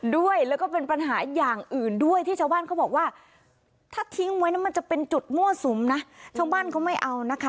ด้วยแล้วก็เป็นปัญหาอย่างอื่นด้วยที่ชาวบ้านเขาบอกว่าถ้าทิ้งไว้นะมันจะเป็นจุดมั่วสุมนะชาวบ้านเขาไม่เอานะคะ